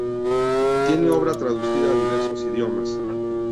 Tiene obra traducida a diversos idiomas.